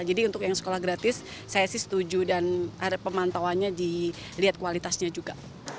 jadi untuk yang sekolah gratis saya sih setuju dan harap pemantauannya dilihat kualitasnya juga